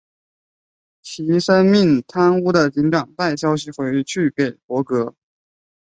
齐森命贪污的警长带消息回去给柏格。